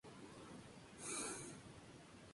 Las provincias soportaron el coste de las expropiaciones.